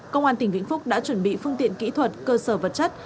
công an tỉnh vĩnh phúc đã chuẩn bị phương tiện kỹ thuật cơ sở vật chất